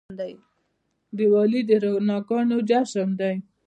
دیوالي د رڼاګانو جشن دی.